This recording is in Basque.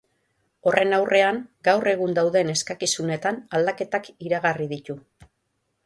Horren aurrean, gaur egun dauden eskakizunetan aldaketak iragarri ditu.